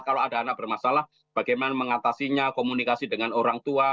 kalau ada anak bermasalah bagaimana mengatasinya komunikasi dengan orang tua